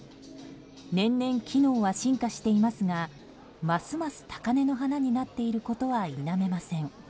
年々、機能は進化していますがますます高嶺の花になっていることは否めません。